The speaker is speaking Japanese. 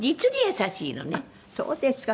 そうですか。